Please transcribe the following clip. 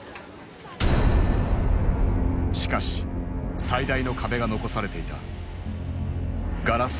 しかし最大の壁が残されていた。